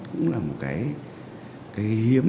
cũng là một cái hiếm